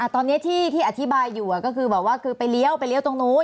ตอนนี้ที่อธิบายอยู่ก็คือบอกว่าคือไปเลี้ยวไปเลี้ยวตรงนู้น